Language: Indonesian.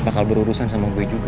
bakal berurusan sama gue juga